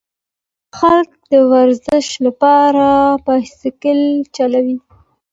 خلک د ورزش لپاره بایسکل چلوي.